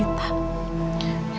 kita tetap akan menderita